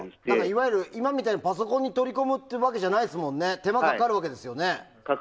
いわゆる今みたいにパソコンに取り込むわけじゃないですから手間かかるわけですもんね。